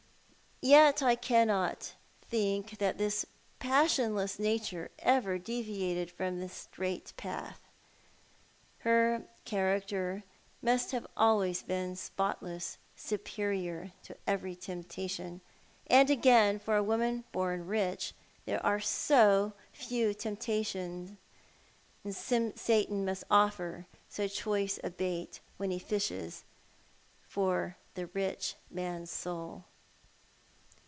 Yet, I cannot think that this passionless nature ever deviated from the straight path. Her character must have always been spotless ; superior to every temptation. And, again, for a woman born ricli there are so few temptations. Satan must offer so choice a bait when he fishes for the rich man's soul.